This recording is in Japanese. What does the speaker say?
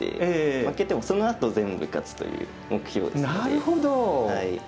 負けてもそのあと全部勝つという目標ですので。